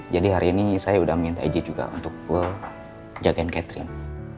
jadi hari ini saya udah minta eji juga untuk full jagain catherine